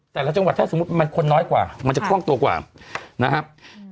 แต่ละจังหวัดถ้าสมมุติมันคนน้อยกว่ามันจะคล่องตัวกว่านะครับ